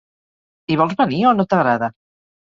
Hi vols venir o no t'agrada?